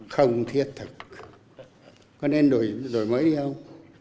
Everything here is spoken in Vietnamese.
không thiết thực có nên đổi mới đi không